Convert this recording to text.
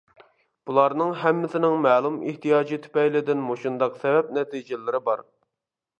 بۇلارنىڭ ھەممىسىنىڭ مەلۇم ئېھتىياجى تۈپەيلىدىن مۇشۇنداق سەۋەب نەتىجىلىرى بار.